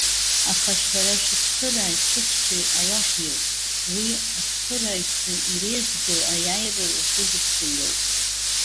Аха, шәара шәыцхырааҩ, шәыхьчаҩ Аллаҳ иоуп. Уи, ацхырааҩцәа иреиӷьӡоу, аиааира уахьызыгӡо иоуп.